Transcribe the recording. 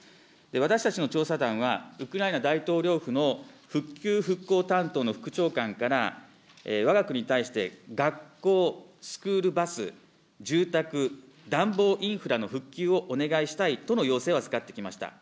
私たちの調査団は、ウクライナ大統領府の復旧・復興担当の副長官からわが国に対して、学校、スクールバス、住宅、暖房インフラの復旧をお願いしたいとの要請をあずかってきました。